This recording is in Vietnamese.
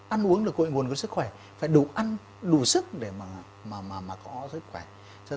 ăn uống là cội nguồn của sức khỏe phải đủ ăn đủ sức để có sức khỏe